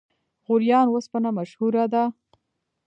غوریان وسپنه مشهوره ده؟